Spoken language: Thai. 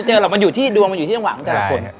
เจอแล้วมันอยู่ที่ดวงมันอยู่ที่ต่างจากทุกคน